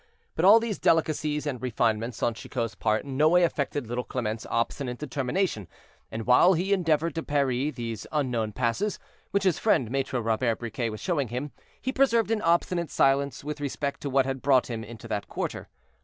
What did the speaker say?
But all these delicacies and refinements on Chicot's part in no way affected little Clement's obstinate determination; and while he endeavored to parry these unknown passes, which his friend Maitre Robert Briquet was showing him, he preserved an obstinate silence with respect to what had brought him into that quarter.